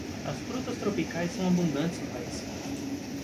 As frutas tropicais são abundantes no país.